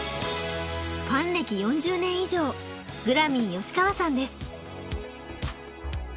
ファン歴４０年以上グラミー吉川さんです。